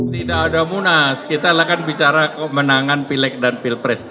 tidak ada munas kita akan bicara kemenangan pilek dan pilpres